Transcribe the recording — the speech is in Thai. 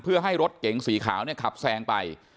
เพื่อให้รถเก๋งสีขาวเนี่ยขับแซงไป